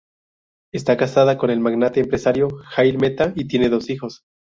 Está casada con el magnate empresario Jai Mehta y tiene dos hijos.